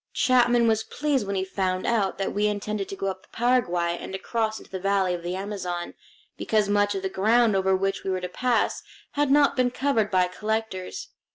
Chapman was pleased when he found out that we intended to go up the Paraguay and across into the valley of the Amazon, because much of the ground over which we were to pass had not been covered by collectors.